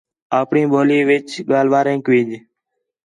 آپݨی ٻولی وِچ ڳالھ وارینک وِڄ